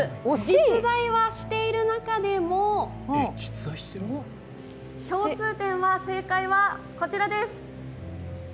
実在はしている中でも、共通点は、正解はこちらです。